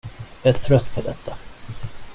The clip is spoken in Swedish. Jag är trött på detta.